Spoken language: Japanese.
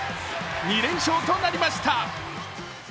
２連勝となりました。